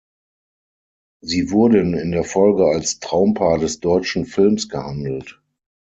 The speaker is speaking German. Sie wurden in der Folge als „Traumpaar“ des deutschen Films gehandelt.